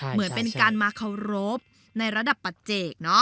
เหมือนเป็นการมาเคารพในระดับปัจเจก